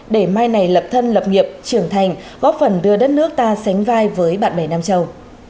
để mai này lập thân lập nghiệp trưởng thành góp phần đưa đất nước ta sánh vai với bạn bè nam châu